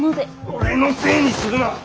俺のせいにするな。